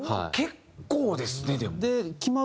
結構ですねでも。